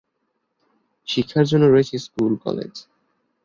শিক্ষার জন্য রয়েছে স্কুল, কলেজ।